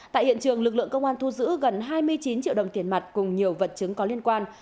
tại hiện trường lực lượng công an thu giữ gần hai mươi chín triệu đồng tiền mặt cùng nhiều vật chứng có liên quan